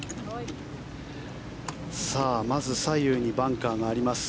まず左右にバンカーがあります。